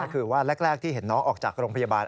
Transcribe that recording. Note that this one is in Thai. ก็คือว่าแรกที่เห็นน้องออกจากโรงพยาบาล